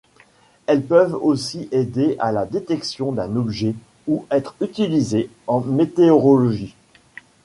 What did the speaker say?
Elles peuvent aussi aider à la détection d'un objet ou être utilisées en météorologie.